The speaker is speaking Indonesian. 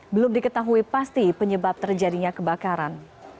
belum diketahui pasti penyebab terjadinya kebakaran